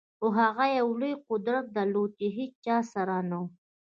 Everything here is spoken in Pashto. خو هغه یو لوی قدرت درلود چې له هېچا سره نه و